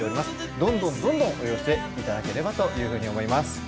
どんどん、どんどんお寄せいただければというふうに思います。